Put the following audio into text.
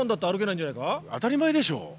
当たり前でしょ。